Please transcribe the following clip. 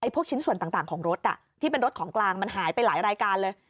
ชิ้นส่วนต่างของรถที่เป็นรถของกลางมันหายไปหลายรายการเลย